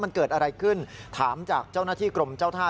มันเกิดอะไรขึ้นถามจากเจ้าหน้าที่กรมเจ้าท่า